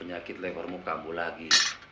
anak si ikang cucu usahaku